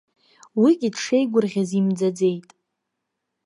Уигьы дшеигәырӷьаз имӡаӡеит.